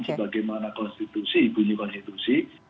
sebagaimana konstitusi bunyi konstitusi